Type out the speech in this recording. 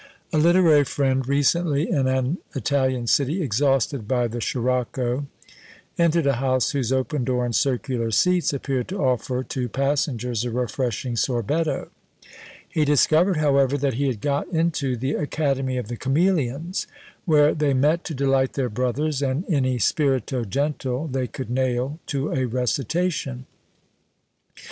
A literary friend, recently in an Italian city exhausted by the sirocco, entered a house whose open door and circular seats appeared to offer to passengers a refreshing sorbetto; he discovered, however, that he had got into "the Academy of the Cameleons," where they met to delight their brothers, and any "spirito gentil" they could nail to a recitation.